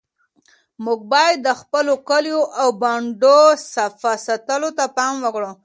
موږ باید د خپلو کلیو او بانډو صفا ساتلو ته پام وکړو.